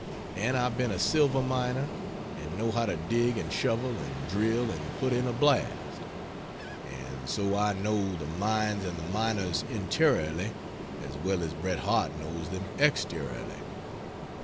And I've been a silver miner and know how to dig and shovel and drill and put in a blast. And so I know the mines and the miners interiorly as well as Bret Harte knows them exteriorly.